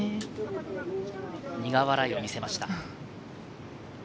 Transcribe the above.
苦笑いを見せました。